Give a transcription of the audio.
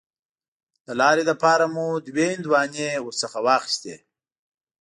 د لارې لپاره مو دوه هندواڼې ورڅخه واخیستې.